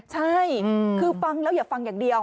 ใช่คือฟังแล้วอย่าฟังอย่างเดียว